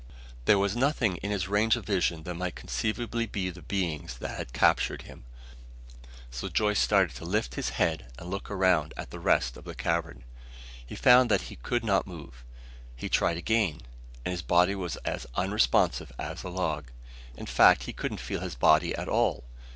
There was nothing in his range of vision that might conceivably be the beings that had captured them, so Joyce started to lift his head and look around at the rest of the cavern. He found that he could not move. He tried again, and his body was as unresponsive as a log. In fact, he couldn't feel his body at all!